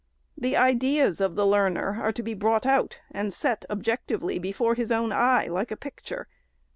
The ideas of the learner are to be brought out, and set, objectively, before his own eyes, like a picture.